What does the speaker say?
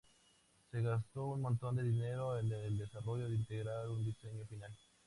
Se gastó un montón de dinero en el desarrollo sin entregar un diseño final.